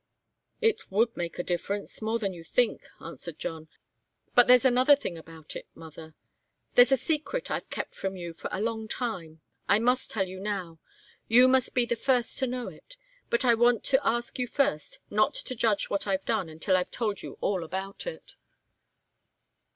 "It would make a difference more than you think," answered John. "But there's another thing about it, mother there's a secret I've kept from you for a long time. I must tell you now. You must be the first to know it. But I want to ask you first not to judge what I've done until I've told you all about it."